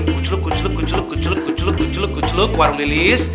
kucluk kucluk kucluk kucluk kucluk kucluk kucluk kucluk warung lilis